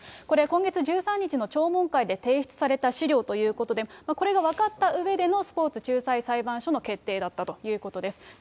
これ、今月１３日の聴聞会で提出された資料ということで、これが分かったうえでの、スポーツ仲裁裁判所の決定だったということです。